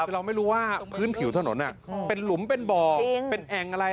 คือเราไม่รู้ว่าพื้นผิวถนนเป็นหลุมเป็นบ่อเป็นแอ่งอะไร